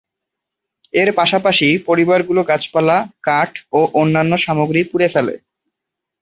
এর পাশাপাশি পরিবারগুলো গাছপালা, কাঠ ও অন্যান্য সামগ্রী পুড়ে ফেলে।